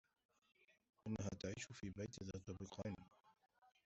إنها تعيش في بيت ذا طابقين.